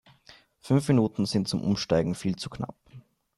Fünf Minuten sind zum Umsteigen viel zu knapp.